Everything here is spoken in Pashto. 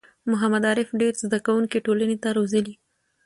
محمد عارف ډېر زده کوونکی ټولنې ته روزلي